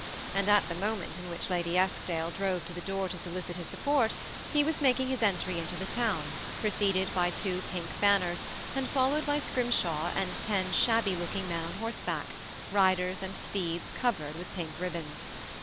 And at the moment in which Lady Eskdaie drove to the door to solidl his support^ he was maki^ his entry into the town, preceded bj two pink banners, and fi^wed by Scrimshaw and too shabby looking men on horseback, riders and steecb covered with pink ribbons.